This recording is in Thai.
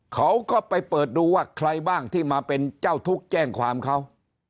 เขาก็ไปเปิดดูว่าใครบ้างที่มาเป็นเจ้าทุกข์แจ้งความเขา